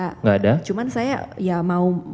tidak ada cuman saya ya mau